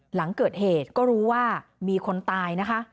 หลังเกิดเหตุก็รู้ว่ามีคนตายนะคะ